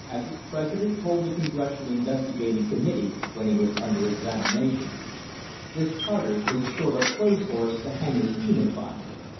As its president told the Congressional Investigating Committee, when he was under examination, "this charter was a sort of clothes horse to hang a scheme upon."